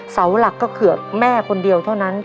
เสาหลักก็เกือบแม่คนเดียวเท่านั้น